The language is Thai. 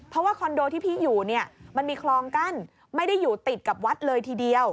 เพราะว่าคอนโดที่พี่อยู่เนี่ยมันมีคลองกั้นไม่ได้อยู่ติดกับวัดเลยทีเดียว